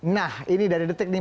nah ini dari detik nih